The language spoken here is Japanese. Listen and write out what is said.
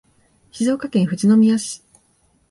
静岡県富士宮市